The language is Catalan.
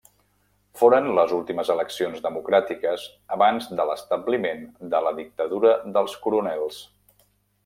Foren les últimes eleccions democràtiques abans de l'establiment de la dictadura dels coronels.